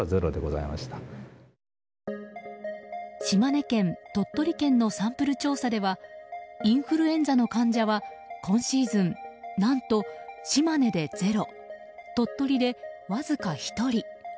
島根県、鳥取県のサンプル調査ではインフルエンザの患者は今シーズン、何と島根でゼロ鳥取でわずか１人。